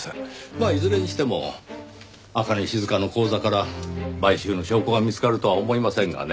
まあいずれにしても朱音静の口座から買収の証拠が見つかるとは思えませんがね。